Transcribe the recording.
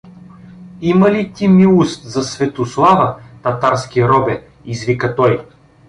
— Има ли ти милост за Светослава, татарски робе? — извика той.